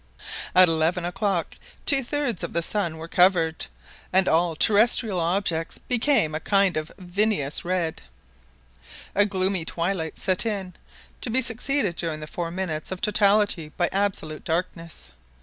At eleven o'clock two thirds of the sun were covered, and all terrestrial objects became a kind of vinous red. A gloomy twilight set in, to be succeeded during the four minutes of totality by absolute darkness.